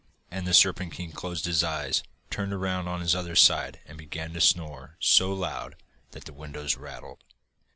And the Serpent King closed his eyes, turned round on his other side, and began to snore so loud that the windows rattled.